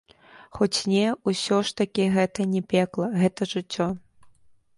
Хоць не, усё ж такі гэта не пекла, гэта жыццё.